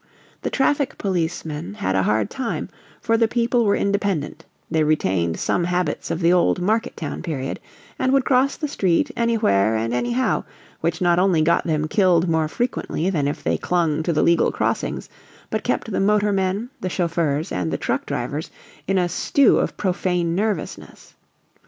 The traffic policeman had a hard time, for the people were independent they retained some habits of the old market town period, and would cross the street anywhere and anyhow, which not only got them killed more frequently than if they clung to the legal crossings, but kept the motormen, the chauffeurs, and the truck drivers in a stew of profane nervousness.